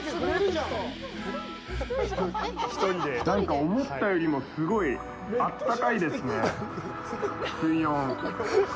なんか思ったよりもすごいあったかいですね、水温。